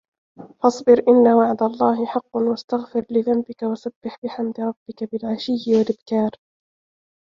فَاصبِر إِنَّ وَعدَ اللَّهِ حَقٌّ وَاستَغفِر لِذَنبِكَ وَسَبِّح بِحَمدِ رَبِّكَ بِالعَشِيِّ وَالإِبكارِ